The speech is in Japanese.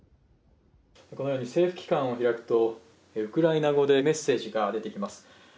このように政府機関を開くと、ウクライナ語でメッセージが出てきます。